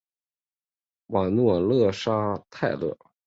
瓦诺勒沙泰勒。